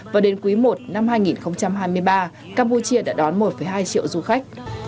và đến quý i năm hai nghìn hai mươi ba campuchia đã đón một hai triệu du khách